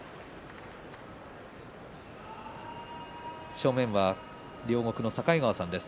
正面は、両国の境川さんです。